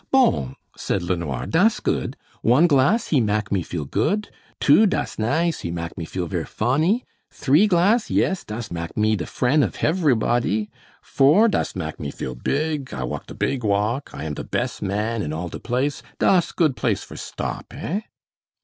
"Bon!" said LeNoir, "das good. One glass he mak' me feel good. Two das nice he mak' me feel ver fonny. Three glass yes das mak' me de frien' of hevery bodie. Four das mak' me feel big; I walk de big walk; I am de bes' man all de place. Das good place for stop, eh?"